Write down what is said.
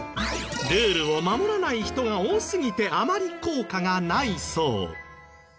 ルールを守らない人が多すぎてあまり効果がないそう。